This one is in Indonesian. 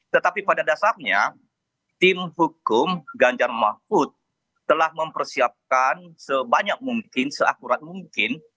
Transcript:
tetapi pada dasarnya tim hukum ganjar mahfud telah mempersiapkan sebanyak mungkin seakurat mungkin